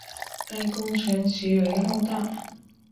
该工程极为浩大。